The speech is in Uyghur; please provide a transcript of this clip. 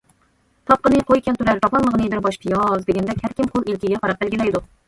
« تاپقىنى قوي كەلتۈرەر، تاپالمىغىنى بىر باش پىياز» دېگەندەك، ھەر كىم قول ئىلكىگە قاراپ بەلگىلەيدۇ.